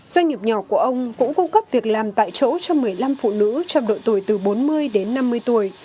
doanh nghiệp nhỏ của ông cũng cung cấp việc làm tại chỗ cho một mươi năm phụ nữ trong đội tuổi từ bốn mươi đến năm mươi tuổi